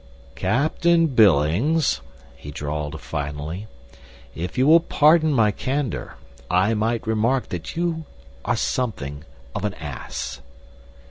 "Captain Billings," he drawled finally, "if you will pardon my candor, I might remark that you are something of an ass."